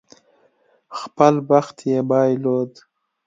خپل بخت یې بایلود.